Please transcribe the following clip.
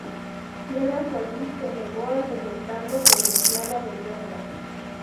Sierra Solís se negó argumentando que deseaba venderla.